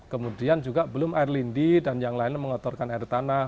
kemudian juga belum air lindi dan yang lain mengotorkan air tanah